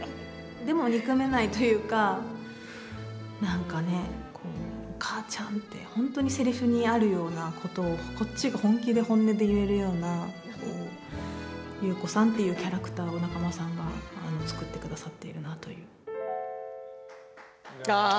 でも憎めないというかなんかね、おかあちゃんって本当にせりふにあるようなことをこっちが本気で本音で言えるような優子さんというキャラクターを仲間さんが作ってくださっているなという。